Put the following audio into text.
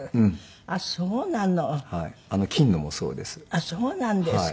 あっそうなんですか。